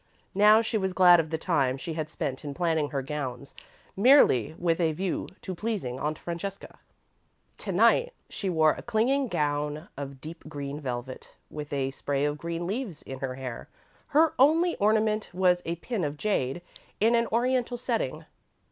Now she was glad of the time she had spent in planning her gowns, merely with a view to pleasing Aunt Francesca. To night, she wore a clinging gown of deep green velvet, with a spray of green leaves in her hair. Her only ornament was a pin of jade, in an Oriental setting.